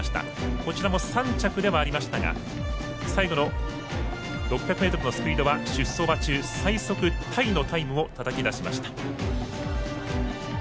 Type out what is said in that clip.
こちらも３着ではありましたが最後の６００ｍのスピードは出走馬中、最速タイのタイムをたたき出しました。